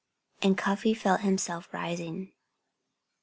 And Cuffy felt himself rising.